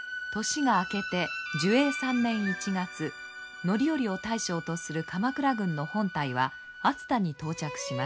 年が明けて寿永３年１月範頼を大将とする鎌倉軍の本隊は熱田に到着します。